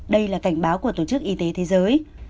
đây là cảnh báo của tổ chức y tế thế giới